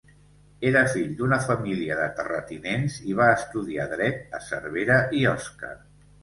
Era fill d'una família de terratinents i va estudiar dret a Cervera i Osca.